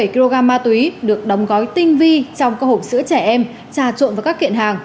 một trăm hai mươi bảy kg ma túy được đóng gói tinh vi trong các hộp sữa trẻ em trà trộn vào các kiện hàng